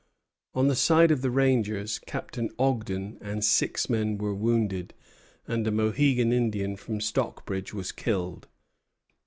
On the side of the rangers, Captain Ogden and six men were wounded, and a Mohegan Indian from Stockbridge was killed.